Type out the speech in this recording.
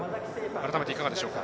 改めていかがでしょうか。